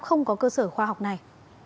không có cơ sở khoa học này